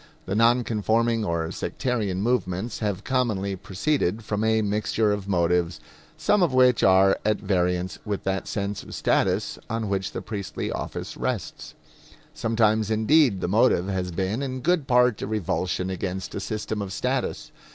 The non conforming or sectarian movements have commonly proceeded from a mixture of motives, some of which are at variance with that sense of status on which the priestly office rests. Sometimes, indeed, the motive has been in good part a revulsion against a system of status.